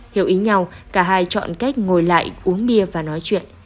hiểu ý nhau cả hai chọn cách ngồi lại uống bia và nói chuyện